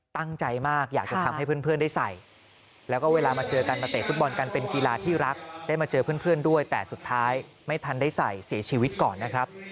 ตั้งใจมากอยากจะทำให้เพื่อนได้ใส่แล้วก็เวลามาเจอกันมาเตะฟุตบอลกันเป็นกีฬาที่รักได้มาเจอเพื่อนด้วยแต่สุดท้ายไม่ทันได้ใส่เสียชีวิตก่อนนะครับ